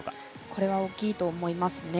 これは大きいと思いますね。